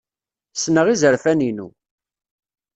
Ssneɣ izerfan-inu.